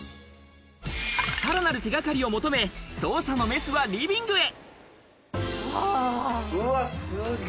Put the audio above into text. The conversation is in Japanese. さらなる手がかりを求め、捜査のメスはリビングへ。